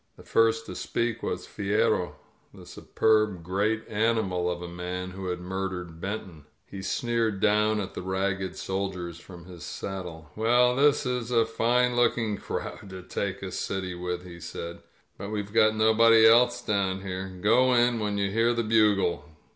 The first to speak was Fierro, the superb great animal of a man who had murdered Benton. He sneered down at the ragged soldiers from his saddle. ^'Well, this is a fine looking crowd to take a city with,'' he said, ^ut we've got nobody else down here. Go in when you hear the bugle."